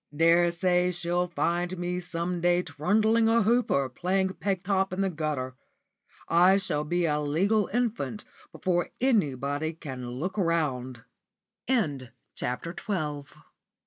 Daresay she'll find me some day trundling a hoop or playing peg top in the gutter. I shall be a legal infant before anybody can look round." *CHAPTER XIII.* _*THE S